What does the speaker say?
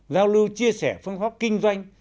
giao lưu chia sẻ phương pháp kinh doanh